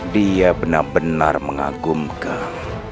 dia benar benar mengagumkan